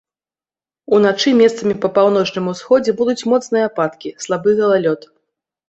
Уначы месцамі па паўночным усходзе будуць моцныя ападкі, слабы галалёд.